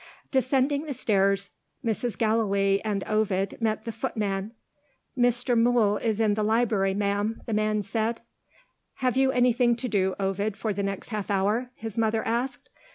Descending the stairs, Mrs. Gallilee and Ovid met the footman. "Mr. Mool is in the library, ma'am," the man said. "Have you anything to do, Ovid, for the next half hour?" his mother asked.